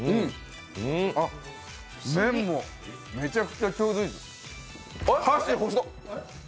あっ、麺もめちゃくちゃちょうどいいです。